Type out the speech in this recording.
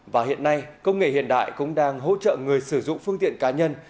và hiện nay công nghệ hiện đại cũng đang hỗ trợ người sử dụng phương tiện cá nhân